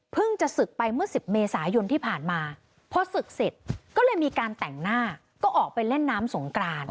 จะศึกไปเมื่อ๑๐เมษายนที่ผ่านมาพอศึกเสร็จก็เลยมีการแต่งหน้าก็ออกไปเล่นน้ำสงกราน